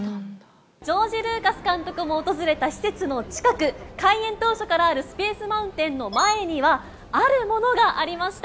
ジョージ・ルーカス監督も訪れた施設の近く、開園当初からあるスペース・マウンテンの前にはあるものがありました。